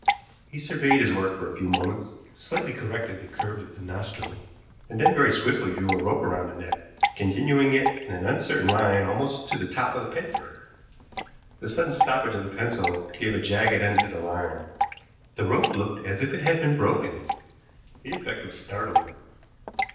He surveyed his work for a few moments, slightly corrected the curve of the nostril, and then very swiftly drew a rope round the neck, continuing it in an uncertain line almost to the top of the paper. The sudden stoppage of the pencil give a jagged end to the line. The rope looked as if it had been broken. The effect was startling.